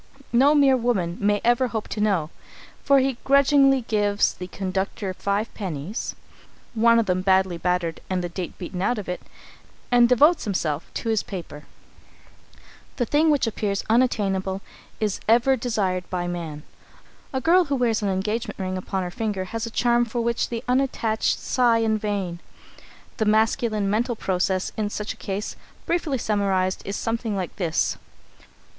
No mere woman may ever hope to know, for he grudgingly gives the conductor five pennies, one of them badly battered and the date beaten out of it and devotes himself to his paper. [Sidenote: The Masculine Mental Process] The thing which appears unattainable is ever desired by man. A girl who wears an engagement ring upon her finger has a charm for which the unattached sigh in vain. The masculine mental process in such a case, briefly summarised, is something like this.